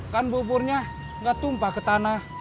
kan buburnya nggak tumpah ke tanah